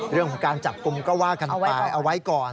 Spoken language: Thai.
เรื่องของการจับกลุ่มก็ว่ากันไปเอาไว้ก่อน